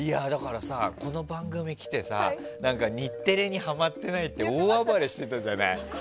この番組来てさ日テレにハマってないって大暴れしてたじゃない。